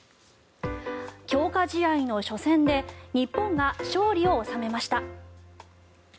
強化試合の初戦で日本が勝利を収めました。